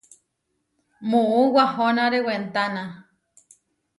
Muú wahonáre wentána.